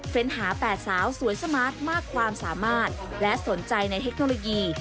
หา๘สาวสวยสมาร์ทมากความสามารถและสนใจในเทคโนโลยี